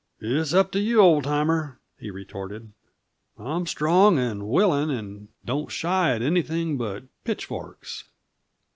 "It's up t' you, old timer," he retorted. "I'm strong and willing, and don't shy at anything but pitchforks."